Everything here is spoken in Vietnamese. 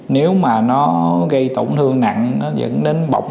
nếu mà nó gây tổn thương nặng nó dẫn đến bộc